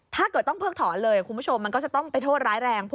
ถ้าเกิดต้องเพิกถอนเลยคุณผู้ชมมันก็จะต้องไปโทษร้ายแรง